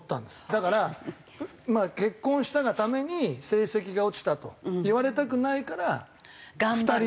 だから「結婚したがために成績が落ちた」と言われたくないから。